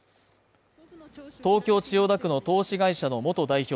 東京・千代田区の投資会社の元代表